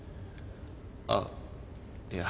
ああいや。